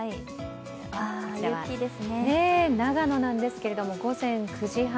こちらは長野なんですけれども、午前９時半。